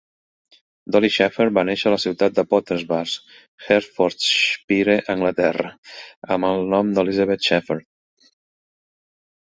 Dolly Shepherd va néixer a la ciutat de Potters Bar, Hertfordshipre, Anglaterra, amb el nom d'Elizabeth Shepherd.